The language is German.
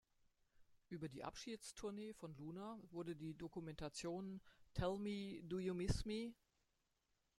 Über die Abschiedstournee von Luna wurde die Dokumentation "Tell Me Do You Miss Me?